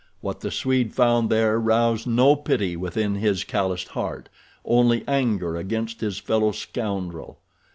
What the Swede found there roused no pity within his calloused heart, only anger against his fellow scoundrel.